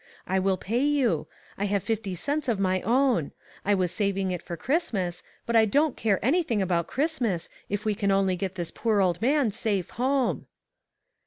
I will pay you ; I have fifty cents of my own. I was saving it for Christmas, but I don't care anything about Christmas if we can only get this poor old man safe home."